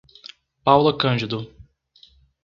Paula Cândido